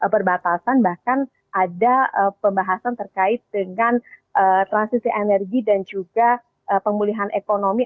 perbatasan bahkan ada pembahasan terkait dengan transisi energi dan juga pemulihan ekonomi